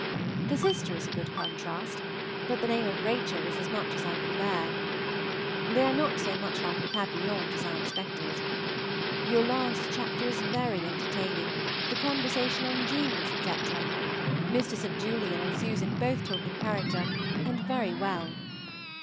The sister is a good contrast, but the name of Rachel is as much as I can bear. They are not so much like the Papillons as I expected. Your last chapter is very entertaining, the conversation on genius, etc.; Mr. St. Julian and Susan both talk in character, and very well.